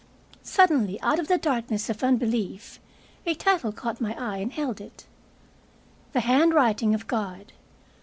Suddenly, out of the darkness of unbelief, a title caught my eye and held it, "The Handwriting of God."